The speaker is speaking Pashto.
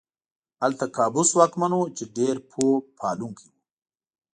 هلته قابوس واکمن و چې ډېر پوه پالونکی و.